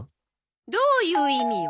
どういう意味よ。